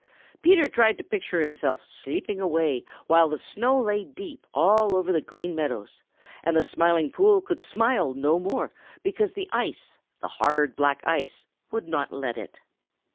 Peter tried to picture himself sleeping away while the snow lay deep all over the Green Meadows and the Smiling Pool could smile no more because the ice, the hard, black ice, would not let it.